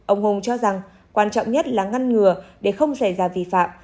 ông hùng cho rằng quan trọng nhất là ngăn ngừa để không xảy ra vi phạm